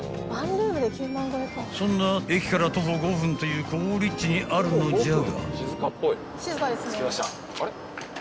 ［そんな駅から徒歩５分という好立地にあるのじゃが］